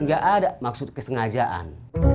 gak ada maksud kesengajaan